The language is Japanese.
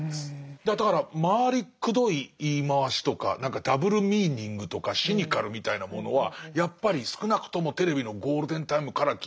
だから回りくどい言い回しとか何かダブルミーニングとかシニカルみたいなものはやっぱり少なくともテレビのゴールデンタイムから消えていきますもんね。